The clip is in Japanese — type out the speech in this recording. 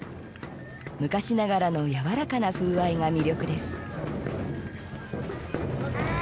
昔ながらの柔らかな風合いが魅力です。